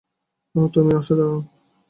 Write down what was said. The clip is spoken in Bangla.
ওহ তুমি অসাধারণ।